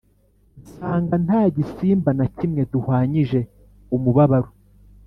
nsanga nta gisimba na kimwe duhwanyije umubabaro,